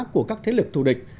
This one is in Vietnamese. của các thế lực thù địch